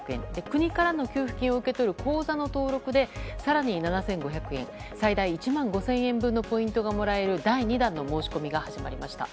国からの給付金を受ける口座の登録で更に７５００円最大１万５０００円分のポイントがもらえる、第２弾の申し込みが始まりました。